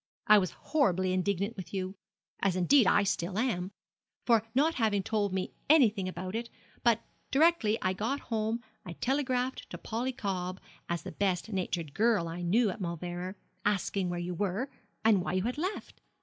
I was horribly indignant with you as, indeed, I am still for not having told me anything about it; but directly I got home I telegraphed to Polly Cobb, as the best natured girl I knew at Mauleverer, asking where you were, and why you had left.